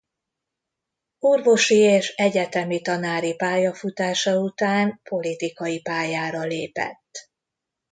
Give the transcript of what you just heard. Orvosi és egyetemi tanári pályafutása után politikai pályára lépett.